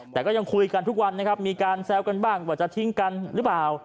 แต่ก็ยังคุยกันทุกวันนะครับมีการแซวกันบ้างว่าจะทิ้งกันหรือเปล่า